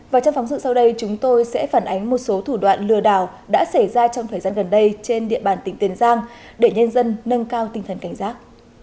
và trong phóng sự sau đây chúng tôi sẽ phản ánh một số thủ đoạn lừa đảo đã xảy ra trong thời gian gần đây trên địa bàn tỉnh tiền giang để nhân dân nâng cao tinh thần cảnh giác